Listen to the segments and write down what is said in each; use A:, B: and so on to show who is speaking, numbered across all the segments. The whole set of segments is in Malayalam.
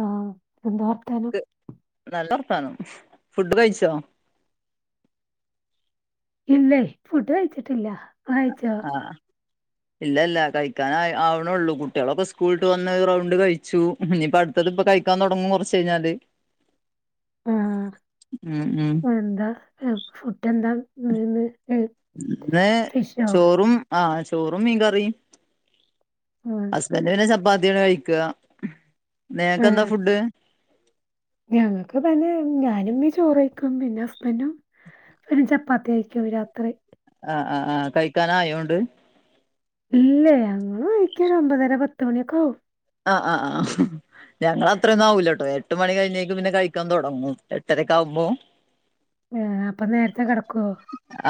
A: ആഹ് എന്താ വർത്താനം.
B: നല്ല വർത്താനം ഫുഡ് കഴിച്ചോ
A: ഇല്ല ഫുഡ് കഴിച്ചിട്ടില്ല ഇങ്ങള് കഴിച്ചോ?
B: ആഹ് ഇല്ല ഇല്ലാ കഴിക്കാൻ ആവണുള്ളൂ. കുട്ടികളൊക്കെ സ്കൂള് വിട്ട് വന്ന് ഒരു റൗണ്ട് കഴി ച്ചു ഇനിയിപ്പം അടുത്തത് ഇപ്പം കഴിക്കാൻ തുടങ്ങും കുറച്ച് കഴിഞ്ഞാല്.
A: ആഹ്
B: ഉം ഉം
A: എന്താ ഫുഡ് എന്താ ഇന്ന്
B: ഇന്ന്
A: ഫിഷോ?
B: ചോറും ആഹ് ചോറും മീൻ കറിയും
A: ആഹ്
B: എലോര് ചപ്പാത്തിംക്കോ കഴിക്ക നിങ്ങക്ക് എന്താ ഫുഡ്.
A: ഞങ്ങൾക്ക് തന്നെ ഞാനും ഉമ്മിം ചോറ് കഴിക്കും പിന്നെ ഹസ്ബൻ്റും. ചപ്പാത്തി കഴിക്കും രാത്രി.
B: ആഹ് ഹ് ആഹ് കഴിക്കാൻ ആയോണ്ട്.
A: ഇല്ലേ ഞങ്ങള് കഴിക്കാൻ ഒമ്പതര പത്തുമണ്യോക്കെ ആകും.
B: അ അ അഹ്. ഞങ്ങൾ അത്രെന്നും ആവൂല്ലട്ടോ എട്ട് മണി കഴിഞ്ഞേക്ക് പിന്നെ കഴിക്കാൻ തുടങ്ങും എട്ടരഒക്കെ ആകുമ്പോ. [inaudible]
A: ആ അപ്പൊ നേരത്തെ കിടക്കോ?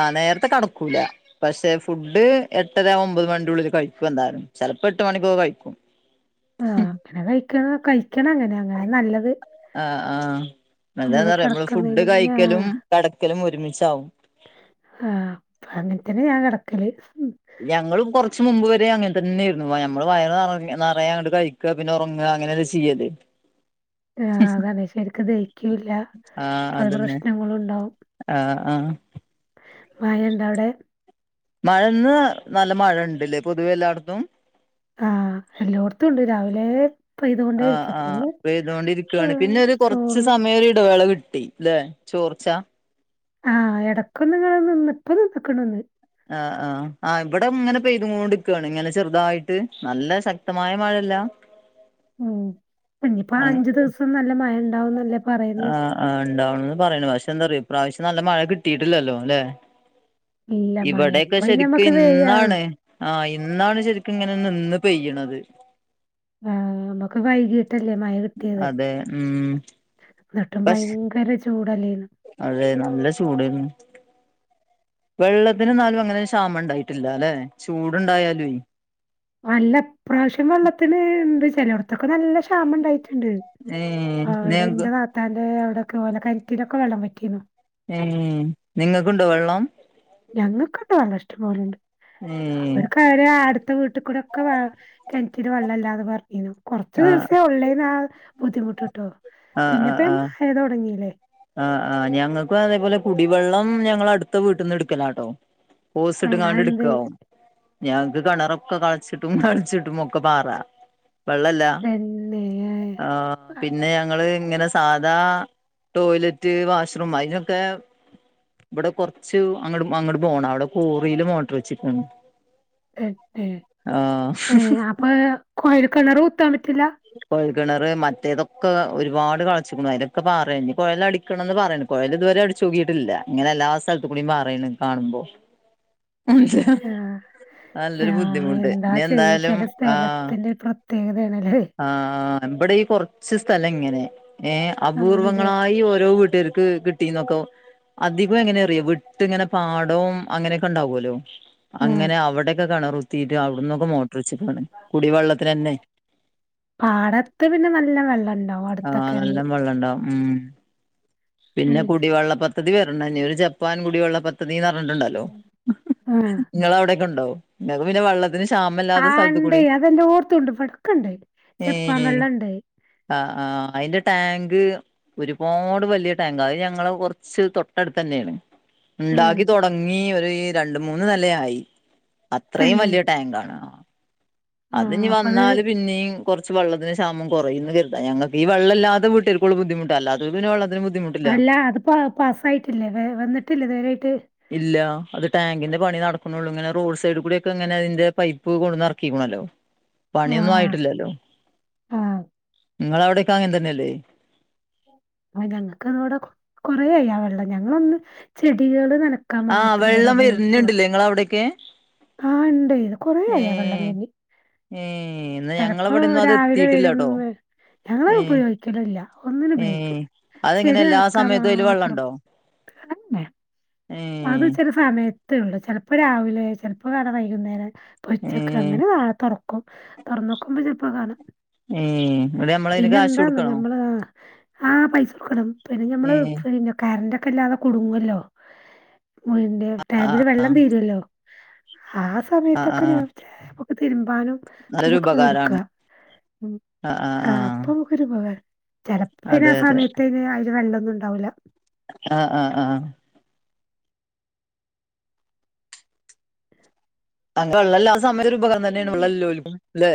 B: ആഹ് നേരത്തെ കടക്കൂല. പക്ഷെ ഫുഡ് എട്ടര ഒമ്പത് മണി ടോള്ളില് കഴിക്കും എന്തായാലും ചെലപ്പോ എട്ട് മണിക്കൊക്കെ കഴിക്കും.
A: ആഹ് അങ്ങനെ കഴിക്ക കഴിക്കണങ്ങനെ അങ്ങനെ നല്ലത്.
B: ആ ആഹ് എന്താനറിയോ നമ്മള് ഫുഡ്
A: കെടക്കുന്നതിന് മുന്നേ
B: കഴിക്കലും
A: ആഹ്
B: കിടക്കലും ഒരുമിച്ചാവും.
A: ആഹ് അങ്ങൻത്തന്നെ ഞാ കടക്കല്.
B: ഞങ്ങള് കുറച്ച് മുമ്പ് വരെ അങ്ങനെ തന്നെയായിരുന്നു ഞമ്മള് വയറ് നിറയ അങ്ങോട്ട് കഴിക്ക ക പിന്നെ ഒറങ്ങ പിന്നെ അങ്ങനല്ലെ ചെയ്യല്.
A: ആ അതാണെയ് ശരിക്ക് ദഹിക്കൂല്ല പല പ്രശ്നങ്ങളൂണ്ടാവും.
B: അ ആഹ്
A: മഴണ്ടൊവടെ.
B: മഴ ന്ന് നല്ല മഴുണ്ടല്ലേ പൊതുവെ എല്ലായിടത്തും.
A: ആഹ് എല്ലോട്ത്തൂണ്ട് രാവിലെ പെയ്തുകൊണ്ടേയിരിക്ക. പ്പോന്ന്
B: ണ്ട്ടാ പിന്നെ ഒരു കൊറച്ച് സമയം ഒരു ഇടവേള കിട്ടി ല്ലെ ചോർച്ച.
A: ആഹ് എടക്കൊന്ന് ങ്ങെന നിന്ന് ഇപ്പൊ നിന്ന്ക്ക്ണ്.
B: ആഹ് ആഹ് ആ ഇവിടെങ്ങനെ പെയ്തുകൊണ്ട്ക്കാണ് ങ്ങനെ ചെറുതായിട്ട് നല്ല ശക്തമായ മഴല്ല. ആഹ്
A: ം ഇഞിപ്പ ആ അഞ്ചു ദിവസം നല്ല മഴ ഉണ്ടാവുന്നല്ലേ പറയുന്നത്.
B: ആഹ് ആഹ് ഉണ്ടാവണന്ന് പറയുന്നു പക്ഷെ എന്താ പറയയാ ഇ പ്ര്രാവശ്യം നല്ല മഴ കിട്ടിയിട്ടില്ലല്ലോ അല്ലെ?
A: ഇല്ല മഴ
B: ഇവിടെക്കെ
A: ഇപ്പൊ പിന്നെ
B: ശരിക്ക്
A: നമ്മക്ക് വെയിലാ.
B: ഇന്നാണ്. ആഹ് ഇന്നാണ് ശരിക്ക്ങ്ങനെ നിന്ന് പെയ്യണത്.
A: ആഹ് അതൊക്ക് കഴിഞ്ഞ്. [unintelligible] കുറെ കഴിഞ്ഞല്ലേ മഴ കിട്ടിയത്.
B: അതെ ഉം
A: ന്നിട്ടും
B: പക്ഷെ
A: ഭയങ്കര ചൂടല്ലേര്ന്നു.
B: അതെ നല്ല ചൂടേര്ന്നു. വെള്ളത്തിന് ന്നാലും അങ്ങനൊരു ക്ഷാമണ്ടായിട്ടില്ലലെ ചൂട്ണ്ടായാലും.
A: അല്ല ഇപ്രാവശ്യം വെള്ളത്തിന് ണ്ട് ചെലോട്ത്തൊക്കെ നല്ല ക്ഷാമം ണ്ടായിട്ടുണ്ട്
B: ഏഹ്
A: അ അവിടെ
B: നിങ്ങക്ക്
A: ന്റെ താത്താന്റെ അവിടൊക്കെ ഓലെ കെണറ്റിലൊക്കെ വെള്ളം വറ്റീന്നു.
B: ഏ നിങ്ങക്ക്ണ്ടോ വെള്ളം?
A: ഞങ്ങകൊക്കുണ്ട്ക്കെ വെള്ളഷ്ടംപോലണ്ട്.
B: ഏ
A: അവരെ അട്ത്ത വീട്ടിക്കൂടൊക്ക വെ കെണറ്റില് വെള്ളല്ലാന്ന് പറഞ്ഞീന്നു. കൊറച്ച
B: ആഹ്
A: ദിവസേ ഉള്ളേനാൽ ആ ബുദ്ധിമുട്ട് ട്ടോ
B: അ അ ആഹ് ആ ആ് ഞങ്ങക്കു അതേപോലെ കുടിവെള്ളം ഞങ്ങളെ അട്ത്ത വീട്ട്ന്ന് അ്ട്ക്കലാട്ടോ.
A: അതെന്തേ
B: ഓസിട്ട്കാണ്ട്ട്കാവും. ഞങ്ങക്ക് കിണറൊക്ക കൾച്ച്ട്ടും [unintelligible] ഒക്കെ പാറ. വെള്ളല്ല
A: പിന്നെ
B: ആഹ് പിന്നെ ങ്ങള്ങ്ങനെ സാധാ ടോയ്ലറ്റ് വാഷ്റൂം അയിനൊക്കെ ബടെ കൊറച്ച് അങ്ങട് പോണം അവടെ കോറീല് മോട്ട്റ് വെച്ച്ക്കാണ്.
A: എ എ ഏഅപ്പൊ കൊഴല് കെണർ കുത്താംപറ്റൂല.
B: കൊഴൽകെണറ് മറ്റേതൊക്കെ ഒരുപാട് കളച്ച്ക്കുണു അയിലൊക്കെ പാറേണ് ഞി കൊഴല് അടി ക്കണന്ന് പറയണ് കൊഴ ൽഇതുവരെ അടിച്ചച്ച് നോക്കിയിട്ടില്ല ഇങ്ങനെ എല്ലാ സ തുണീമറാണ് കാണുമ്പോ. [unintelligible] മ
A: ആഹ്
B: നല്ലൊരു
A: ആഹ്
B: ബുദ്ധിമുട്ട്
A: എന്താ
B: ഇനി എന്തായാലും ആഹ്.
A: ത്യേകതയാണല്ലേ.
B: ആ ബടയീടെ കൊറച്ച് സ്ഥലങ്ങനെ ഏ അ
A: ആണ്ല്ലേ
B: അപൂർവങ്ങളായി ഓരോ വീട്ടുകാർക്ക് കിട്ട് [inaudible] അധികം എങ്ങനെ അറിയോ വിട്ട്ങ്ങനെ പാടോം അങ്ങനെക്കെണ്ടാവലോ
A: ആഹ്
B: അങ്ങനെ അവിടെയൊക്കെ കിണറുത്തീയിട്ട് അവിടന്നൊക്കെ മോട്ടോർ വച്ചക്കാണ് കുടിവെള്ളത്തിനന്നെ
A: പാടത്ത് പിന്നെ നല്ല വെള്ളം ഇണ്ട്
B: ആഹ് നല്ലം വെള്ളണ്ടവും ഉം പിന്നെ കുടിവെള്ള പദ്ധതി വരണം ഇഞ്ഞി ഒരു ജപ്പാൻ കുടിവെള്ള പദ്ധതിന്ന് പറഞ്ഞിട്ടുണ്ടല്ലോ
A: ഉം ആഹ്
B: ഹലോ ഇങ്ങളവ്ടൊക്കണ്ടോ? ഇങ്ങക്ക് പിന്നെ വെള്ളത്തിനു ക്ഷാമ
A: ആ ഇണ്ടേ അതെല്ലാട്ത്തുണ്ട് ഇവിട്ക്ക്ണ്ട്.
B: ഏഹേ ആ ആ അയിന്റെ ടാങ്ക് ഒരുപാട് വല്യയ ടാങ്കാ അത് ഞങ്ങളെ കൊറച്ച് തൊട്ടടുത്ത് തന്നെയാണ്.
A: ആഹ്
B: ണ്ടാക്കി തുടങ്ങി ഒരു രണ്ട് മൂന്ന് നെല ആയി അത്രയും
A: തന്നെ
B: വല്യയ ടാങ്ക് ആണോ
A: ആഹ്
B: അത്ഞ്ഞ്
A: അപ്പൊ അത്
B: വന്നാല് പിന്നീം കുറച്ച് വെള്ളത്തിന്റെ ക്ഷാമംകുറയുംന്ന് കരുതാ ഞങ്ങക്ക് ഈ വള്ളല്ലാത്ത വീട്ടേര്ക്കൊള്ളൂ ബുദ്ധമുട്ടല്ലാത്തവർക്ക് പിന്നെ വള്ളത്തിന് ബുദ്ധിമു
A: അല്ല അത് പ്പൊ പാസ്സായിട്ടില്ലേ അത് വന്നിട്ടില്ലേ ഇത് വരെ ആയിട്ട്
B: ഇല്ല അത് ടാങ്കിന്റെ പണി നടക്കുണൊള്ളൂ ഇങ്ങനെ റോഡ് സൈഡ് കൂടി ഒക്കെ ഇങ്ങനെ അതിന്റെ പൈപ് പൈപ്പും കൊട്ന്നെറക്കിക്ണല്ലോ പണിയൊന്നും
A: ആഹ്
B: ആയിട്ടില്ലല്ലോ.
A: ആഹ്
B: ഇങ്ങളെവിടെ ഒക്കെ അങ്ങൻ തന്നെഅല്ലേ
A: ആ ഞങ്ങക്കത്‌വെടെ കൊറേയായി ആ വെള്ളം ഞങ്ങളൊന്ന് ചെടികള് നന ക്കാ മാത്രേ ഇവിടെ ഉപയോഗിക്കൊള്ളൂ.
B: നിങ്ങളവിടൊക്കെ
A: ആഹ് ഇണ്ടേ കൊറെ ആയി ആ വെള്ളം വര്ണ്
B: ഏ എന്നാ
A: ചെലപ്പോ
B: ഞങ്ങളവിടെന്നും അത്
A: രാവിലെ
B: എത്തിയിട്ടില്ല
A: വരും
B: കേട്ടോ
A: ഞങ്ങള്
B: ഏ
A: ഉപ ഗിക്കലില്ല ഒന്നിനും
B: ഏ
A: ഉപയോഗിക്ക്ല്ല
B: അതെങ്ങനെ
A: ചെടി
B: എല്ലാ
A: നനക്കാ
B: സമയത്തും അതില്
A: മാത്രം
B: വെള്ളണ്ടോ
A: അ തന്നെ
B: ഏ
A: അത് ചെല സമയത്തേ ഒള്ളു ചെലപ്പോ രാവിലെ ചെലപ്പോ കാണാ വൈകുന്നേരം പൊച്ചക്കെ
B: ഏഹ്
A: അങ്ങനെ നേ തൊറക്കും തൊറന്നോക്കുമ്പോ ചെലപ്പോ കാണും
B: ഏഹ് ഇവിടെ നമ്മളതിന്
A: പിന്നെ
B: കാശ്
A: എന്താന്നോ
B: കൊടുക്കണോ
A: ഞമ്മള് ആ ആ പൈസ കൊടു പിന്നെ ഞമ്മള്
B: ഏഹ്
A: പിന്നെ കറന്റ ഒക്കെ ഇല്ലാതെ കുടുങ്ങല്ലോ മുറിന്റെ ടാങ്കില് വെള്ളം തീരുവല്ലോ ആ
B: ആഹ്
A: സമയത്തൊക്കെ ഞാൻ
B: ആഹ്
A: ചെലേപ്പൊക്കെ തിര്മ്പാനും
B: നല്ലൊരു
A: ഇതിനൊക്കൊ
B: ഉപകാരാണ്
A: ഇട്ക്കാ ഉം ആഹ് ഇപ്പ നമുക്കൊരു ഉപകാരാ ചെലപ്പയ്ന് ആ
B: അതെ അതെ
A: സമയത്തയ്ന് അയില് വെള്ളാന്നും ഇണ്ടാവൂല്ല
B: ആഹ് ആഹ് ആഹ് ആ ബെള്ളല്ലാത്ത സമയത്തൊരു ഉപകാ തന്നേണ് വെള്ളല്ലോലും അല്ലെ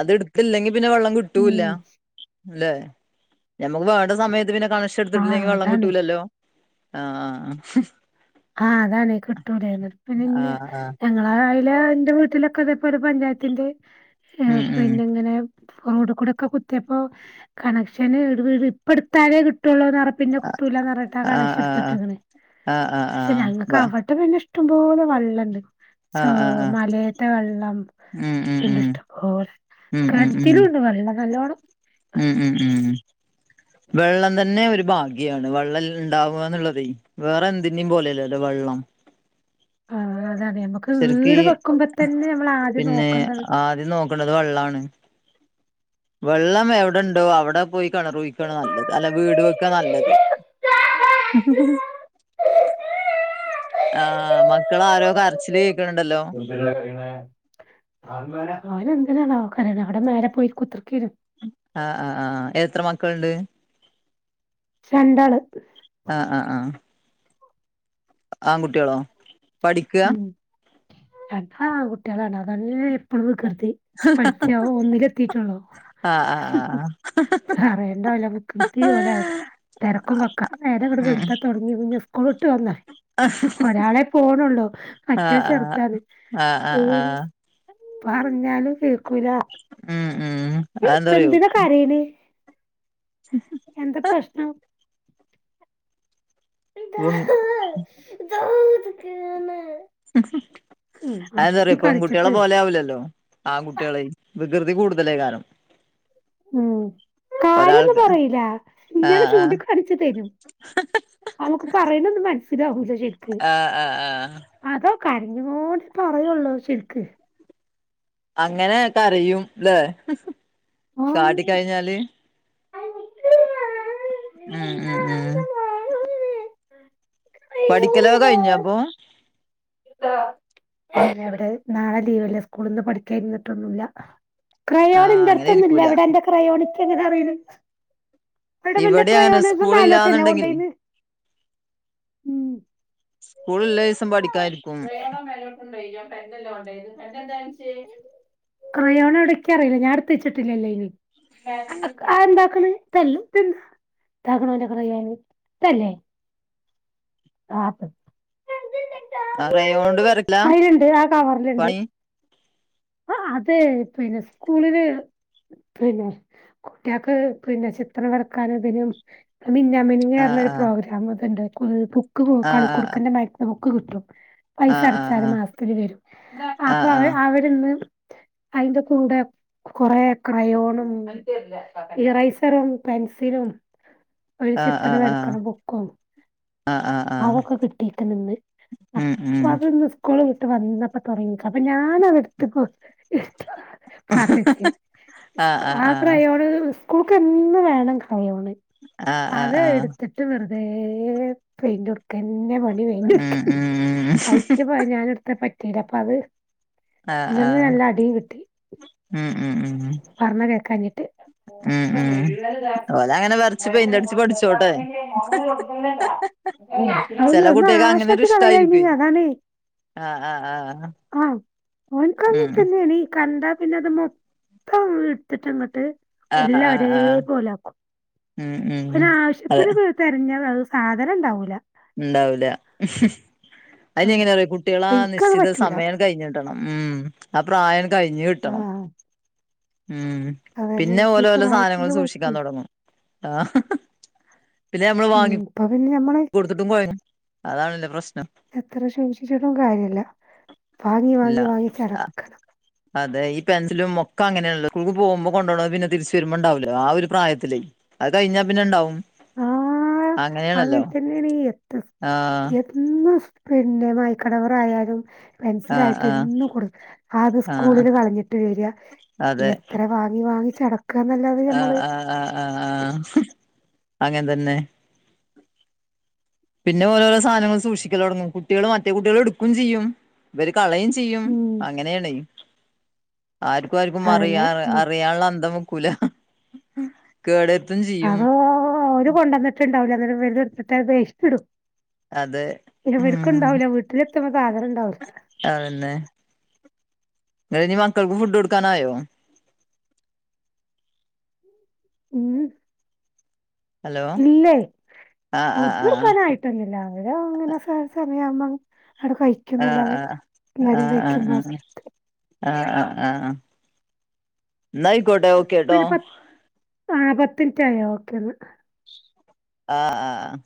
B: അത്ഇടുത്തില്ലെങ്കി പിന്നെ വെള്ളം കിട്ടൂല്ല
A: ഉം
B: ല്ലേ? ഞമ്മക്ക് വേണ്ട സമയത്ത് പിന്നെ
A: ആ
B: കണക്ഷനിട്ത്തിട്ടില്ലെങ്കി വെള്ളം
A: അതാണ്.
B: ക്‌ട്ടൂലല്ലോ? ആഹ് ആഹ് ആഹ്
A: ആഹ് അതാണ് കിട്ടൂല്ലേ ന്ന്ട്ട് പിന്നെ ഇഞ്ഞ്
B: ആഹ് ആഹ്
A: ഞങ്ങളെ അയിലെ ഇന്റെ വീട്ടിലൊക്കെ ഇതെ പോലെ പഞ്ചായത്തിന്റെ
B: ഉം
A: ഏഹ്
B: ഉം
A: പിന്നെ ഇങ്ങനെ റോഡ് കൂടൊക്കെ കുത്തിയപ്പോ കണക്ഷന് ഇടട് ഇപ്പടുത്താലേ കിട്ടുവുള്ളൂന്നറ പിന്നെ കിട്ടൂലാന്നറ്ഞ്ഞ്ട്ട് ആ
B: ആഹ് ആഹ്
A: കണെക്ഷന്ട്ത്തിട്ട്ക്ക്‌ണ്
B: ആഹ് ആഹ്
A: പക്ഷെ
B: ആഹ്
A: ഞങ്ങക്ക്
B: ആഹ്
A: അവടെ പിന്നെ ഇഷ്ടംപോലെ വള്ളണ്ട്. ച്ചൊ
B: ആഹ് ആഹ് ആഹ്
A: മലേത്തെ വെള്ളം
B: ഉം ഉം
A: ഇണ്ട്
B: ഉം
A: ഇഷ്ടംപോലെ
B: ഉം ഉം
A: കെണറ്റിലും ഇണ്ട് വെള്ളം നല്ലോണ്ണം
B: ഉം ഉം ഉം ഉം വെള്ളം തന്നെ ഒരു ഭാഗ്യാണ് വെള്ളം ഇണ്ടാവാന്നുള്ളതേ വേറെന്തിന്റേം പോലയല്ലല്ലോ വെള്ളം
A: ആ അതാണ് ഞമ്മക്ക്
B: ശരിക്ക്
A: വീട് വെക്കുമ്പോ തന്നെ നമ്മൾ ആദ്യം നോക്കേണ്ടത്
B: ദ്യം നോക്ക്ണത് വെള്ളാണ് വെള്ളം എവിടെണ്ടോ അവിടെ പോയി കിണറുഴിക്കാണ് നല്ലത്. അല്ല വീട് വെക്കാ നല്ലത് ആഹ് മക്കളാരോ കരച്ചില് കേക്കണ് ണ്ടല്ലോ
A: അവനെന്തിനാണാവോ കരേണെ അവിടെ മേലെ പോയി കുത്തിർക്കേനു
B: ആ ആ ആ എത്ര മക്കള്ണ്ട്
A: രണ്ടാൾ
B: ആ ആ ആഹ് ആൺകുട്ടിളോ
A: ഉം അ [unintelligible] ആൺ കുട്ടിളാണ് അതന്നെ എപ്പഴും വികൃതി പഠിച്ചോ ഒന്നിലെത്തിട്ടുള്ളൂ
B: ആ ആ ആ ആ
A: പറയേണ്ട ഓലെ വൃകൃതി ഓലടി തെരക്കുംവക്ക നേരെ ങ്ങട്
B: ഉം
A: വെള്ത്താ തുട്ങ്ങി പിന്നെ സ്കൂൾ വിട്ട് വന്നാ
B: ആഹ ഹ് ഹ്
A: ത്രള്ളൂ മറ്റെ ചെറ്താണ്
B: ആ ആ ആ
A: [unintelligible] പറഞ്ഞാലും കേക്കൂല.
B: മ്മ് മ്മ്
A: ഇപ്പ
B: അന്തറിയോ
A: എന്തിനാ കരയണേ എന്താ പ്രശ്നം ദാ ദാഹിക്ക്ണ് ഉം അവിടെ
B: അതെന്താറിയോ പെൺകുട്ടിളെ
A: ചൂണ്ടിക്കാണിച്ചിട്ട്
B: പോലെ ആവില്ലല്ലോ ആൺകുട്ടിയെൾ വികൃതി കൂടുതലയിക്കാരം
A: ഉം കാര്യൊന്നും പറയില ഇങ്ങെനെ
B: ആഹ് ആഹ്
A: ചൂണ്ടിക്കാണിച്ചു തേരും അവുക്ക് പറയുന്ന ഒന്നും മനസ്സിലാവൂല്ല ശരി
B: ആഹ ആഹ ആഹ
A: അതോ കര്ഞ്ഞ്ങ്ങോണ്ട് പറയുള്ളൂ ശെര്ക്ക്
B: അങ്ങനെ കരിയുംല്ലേ
A: ആഹ്
B: കാട്ടിക്കഴിഞ്ഞാല് ഉം ഉം ഉം പഠിക്കലൊകെ കഴിഞ്ഞൊ അപ്പൊ
A: [unintelligible] അവിടെ നാളെ ലീവേലെ സ്കൂൾന്ന് പഠിക്കായിരുനെട്ടോന്നുമില്ല ക്രയോണ്
B: ആഹ് അങ്ങനെ
A: ഇൻ്റെടുത്തൊന്നുല്യ
B: ഇരിക്കൂല
A: ഇവിടെ ഇൻ്റെ ക്രയോണ് ഇനികെൻതിനാണ് എടാവൻ്റെ
B: ഇവിടെ അങ്ങനെ
A: ക്രയോണ് നാലോട്ടല്ലെ
B: സ്കൂളില്ലാന്നുണ്ടെങ്കില്
A: കൊണ്ടയിന്ന് ഉം
B: സ്കൂൾള്ള ദിവസം പഠിക്കാൻ ഇരിക്കും
A: [unintelligible] പേന്നെല്ലേ [unintelligible] ക്രയോണ് എവിടെ ഇക്കറിയില്ല ഞാൻ എടുത്ത് വച്ചിട്ടില്ലല്ലേ അയിന് ആഹ ആന്താക്കണ് തല്ലും ഇതാക്കണ് അൻ്റെ ക്രയോൺ ഇതല്ലേ
B: ക്രയോണ്ട് വരക്കലാ
A: [inaudible] ആയ്യിൽണ്ട് ആ കവറിൽണ്ട്
B: പണി
A: ആഹ അതെ പിന്നെ സ്കൂളില് പിന്നെ കുട്ട്യേൾക്ക് പിന്നെ ചിത്രം വരക്കാൻ ഇതിനും മിന്നാമിനു ഞ്ഞന്ന്
B: ആഹ്
A: പറഞ്ഞേരു
B: ആഹ്
A: പ്രോഗ്രാം ഇത്ണ്ട് ബുക്ക്
B: ആഹ്
A: കളിക്കുടുക്കന്റെമതിരത്തെ ബുക്ക് കിട്ടും. പൈസ
B: ആഹ്
A: അടച്ചാല്
B: ആഹ്
A: മാസത്തിലൽ വെരും അപ്പൊ അവ
B: ആഹ്
A: അവരിന്ന് അതിന്റെ കൂടെ കോറേ ക്രയോണും, ഇറൈസറും പെൻസിലും ഒരു
B: ആഹ് ആഹ്
A: ചിത്രം വര്ക്കണേ
B: ആഹ്
A: ബുക്കും
B: ആഹ് ആഹ് ആഹ് ആഹ് ആഹ്
A: അതൊക്കെ കിട്ടിക്ക്ണ് ഇന്ന്
B: ഉം ഉം
A: അപ്പത്ന് സ് കൂൾ വിട്ട് വന്നപ്പോ തുടങ്ങിക്ക അപ്പൊ ഞാനത് ഇട്ത്ത് പോ ഇഷ്ട പാർത്തച്ചേ
B: ആഹ് ആഹ്
A: ആ
B: ആഹ്
A: ക്രയോണ് സ്കൂൾക്ക് എന്നും വേണം ക്രയോണ്
B: ആഹ് ആഹ്
A: അത്
B: ആഹ്
A: എട്ത്ത്ട്ട് വെറ്തേ പെയിന്റൊട്ക്കും ക്കനെ പാണി
B: ഉം
A: പെയിന്റോട്ട്ക്ക്
B: ഉം
A: അയിക്ക് ഞാനെട്താൽ പറ്റില്ല അപ്പ അത്.
B: ആഹ്
A: ഇന്റെന്ന്
B: ആഹ്
A: നല്ല അടി കിട്ടി
B: ഉം ഉം ഉം
A: പറഞ്ഞ കേക്കഞ്ഞിട്ട്
B: ഉം ഉം ഓലങ്ങനെ വരച്ച് പെയിന്റടിച്ച് പഠിച്ചോട്ടെ
A: [unintelligible]
B: ചെല
A: ഓൻ
B: കുട്ടികക്ക് അങ്ങനൊരു
A: നാശാക്കി കളയാണ്ണീ
B: ഇഷ്ടായിരിക്കുവേ
A: അതാ ണെ
B: ആഹ് ആഹ് ആഹ് ആ
A: ആഹ് ഓൻക്കങ്ങതന്നെണ് കണ്ടാ പിന്നെ അത് മൊത്തം ഇട്ത്തിട്ട് ഇങ്ങോട്ട്
B: ആഹ് ആഹ്
A: എല്ലരെ
B: ആഹ്
A: പോലാക്കും
B: ഉം ഉം അതെ
A: ഒരാവശ്യത്തിന് പ്ത്തെരഞ്ഞാ സാധനം ണ്ടാവൂല
B: ഇണ്ടാവൂല അതിനെങ്ങനെ
A: അപ്പ
B: അറിയോ കുട്ട്യാളാ
A: എനിക്കത്
B: നിശ്ചിത
A: പറ്റൂല
B: സമയം കഴിഞ്ഞ് കിട്ടണം മ്ഹ് ആ പ്രായട് കഴിഞ്ഞ് കിട്ടണം
A: ആഹ്
B: ഉമ്
A: അതന്നെ
B: പിന്നെ
A: ഈ
B: ഓല് ഓലെ സാധനങ്ങൾ
A: പ്രായത്തിന്റെ
B: സൂക്ഷിക്കാൻ
A: കുഴപ്പേ
B: തൊടങ്ങും ആഹ് പിന്നെ നമ്മള്
A: ഉം
B: വാങ്ങി
A: ഇപ്പൊ പിന്നെ ഞമ്മള്
B: കൊട് കൊടുത്തുട്ടും കോയങ്ങും അതാണളേ പ്രശ്നം
A: എത്ര ശ്രമിച്ചിട്ടും കാര്യല്ല വാങ്ങി
B: ഇല്ല
A: വാങ്ങി വാങ്ങി
B: ആ
A: ചടക്കാണ്
B: അതെ ഈ പെൻസിലും അങ്ങനെയല്ല പോകുമ്പോ കൊോ പിന്നെ തിരിച്ച വരുമ്പോണ്ടാവോ ആ ഒരു പ്രായത്തിലേ അത് കഴിഞ്ഞാൽ പിന്നെ ഉണ്ടാവും
A: ആഹ് അങ്ങത്തെന്നേണ് എത്ത
B: ആഹ്
A: എ ഇന്ന് സ് പിന്നെ മായ്ക്ക ടവറായാലും
B: ആഹ്
A: പെൻസിലായിട്ട്
B: ആഹ്
A: എന്നും കൊടു അത്
B: ആഹ്
A: സ്കൂളിൽ കളഞ്ഞിട്ട് വരാ
B: അതെ
A: എത്ര വാങ്ങി വാങ്ങി ച്ചട
B: ആഹ് ആഹ് ആഹ് അങ്ങനെ തന്നെ പിന്നെ ഓരോരോ സാധനങ്ങ സൂഷിക്കലൊടങ്ങും കുട്ടികൾ മറ്റേ കുട്ടികൾ എടുക്കും ചെയ്യും ഇവര് കളയും ചെയ്യും
A: ഉം
B: അങ്ങനെയെ ണെ ആർക്കും ആർക്കും അറിയാ
A: അതന്നെ മ
B: അറിയാളേ അന്തം വെക്കൂല കേടര്ത്തും ചെയും
A: അതൊ ര് കൊണ്ടന്നിട്ടുണ്ടാവല [unintelligible] വെയ്സ്റ്റ് ഇടും
B: അതെ
A: [unintelligible]
B: ഉം
A: ഇണ്ടാവൂല വീട്ടില എത്ത്മ്പോ സാധനം ഇണ്ടാവൂല്ല
B: അതന്നെ നിങ്ങൾ പിന്നെ മക്കൾക്ക് ഫുഡ് കൊടുക്കാനായോ
A: ഉമ്
B: ഹലോ
A: ഇല്ലേ
B: ആഹ് ആഹ് ആഹ്
A: ഫുഡോടുക്കാനായി ട്ട്ന്നുല്ല അവര് അങ്ങനെ സ സമയാവുമ്പ ആടെ കയ് ക്യു
B: ആഹ്
A: ല്ലാതെ
B: ആഹ്
A: എല്ലരും
B: ആഹ് ആഹ്
A: വെക്കുമ്പോ
B: ആഹ് ആഹ് ആഹ് ന്നാ ആയിക്കോട്ടെ ഓകേട്ടോ
A: ആഹ് പത്തിൻറ്റായോ ഓക്കെന്നാ
B: ആഹ് ആഹ്